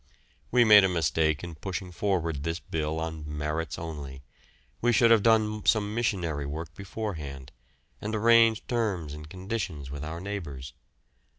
We made a mistake in pushing forward this bill on "merits" only, we should have done some missionary work beforehand, and arranged terms and conditions with our neighbours.